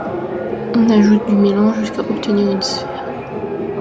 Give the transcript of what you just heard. On ajoute du mélange jusqu'à obtenir une sphère.